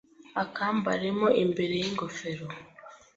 akambare mo imbere y’ingofero